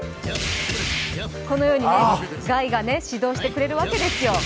このようにガイが指導してくれるわけですよ。